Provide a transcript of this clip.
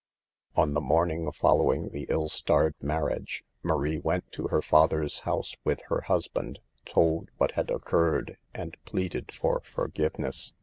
On the morning following the ill starred marriage, Marie went to her father's house with her husband, told what had occurred, and pleaded for forgiveness.